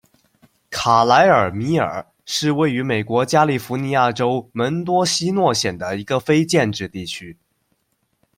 卡莱尔米尔是位于美国加利福尼亚州门多西诺县的一个非建制地区。